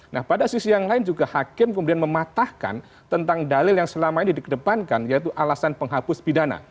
nah pada sisi yang lain juga hakim kemudian mematahkan tentang dalil yang selama ini dikedepankan yaitu alasan penghapus pidana